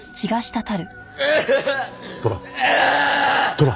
トラ？